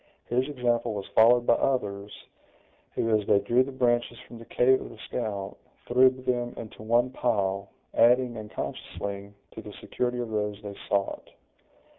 His example was followed by others, who, as they drew the branches from the cave of the scout, threw them into one pile, adding, unconsciously, to the security of those they sought.